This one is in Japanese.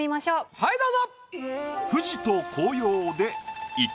はいどうぞ。